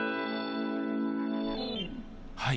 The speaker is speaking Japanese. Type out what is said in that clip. はい。